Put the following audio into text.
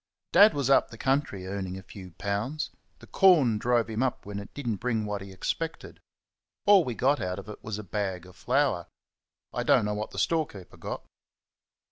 Dad was up the country earning a few pounds the corn drove him up when it did n't bring what he expected. All we got out of it was a bag of flour I do n't know what the storekeeper got.